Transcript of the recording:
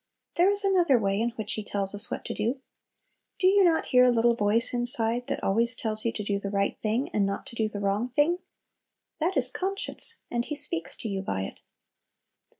There is another way in which He tells us what to do. Do you not hear a little voice inside that always tells you to do the right thing, and not to do the wrong thing? That is conscience and He speaks to you by it.